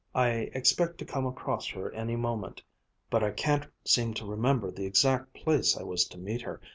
I expect to come across her any moment, but I can't seem to remember the exact place I was to meet her.